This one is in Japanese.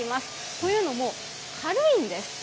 というのも、軽いんです。